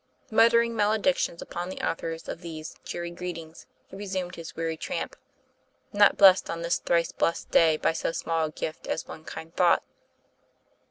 Muttering maledictions upon the authors of these cheery greetings, he re sumed his weary tramp, not blessed on this thrice blessed day by so small a gift as one kind thought.